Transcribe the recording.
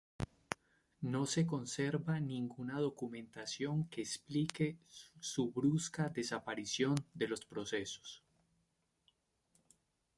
No se conserva ninguna documentación que explique su brusca desaparición de los procesos.